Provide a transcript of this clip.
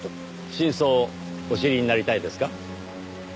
真相をお知りになりたいですか？